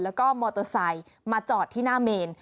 แล้วก็มอเตอร์ไซค์มาจอดที่หน้าเมน